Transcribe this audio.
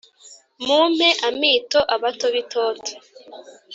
mumpe amito abato b'itoto